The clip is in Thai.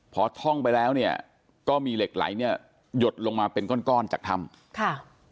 พอท่องไปแล้วเนี่ยก็มีเหล็กไหลเนี่ยหยดลงมาเป็นก้อนก้อนจากถ้ำค่ะ